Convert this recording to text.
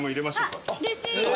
うれしい。